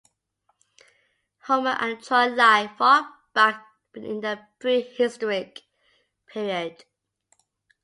Homer and Troy lie far back in the prehistoric period.